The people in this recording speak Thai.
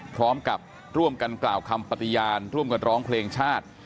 พร้อมกับร่วมกันกล่าวคำปฏิญาณร่วมกันร้องเพลงชาติ